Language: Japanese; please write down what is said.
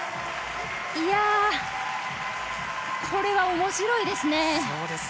いやぁ、これは面白いですね。